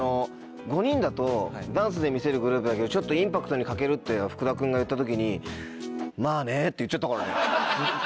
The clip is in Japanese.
５人だとダンスで見せるグループだけどちょっとインパクトに欠けるって福田君が言った時に「まぁね」って言っちゃったからね。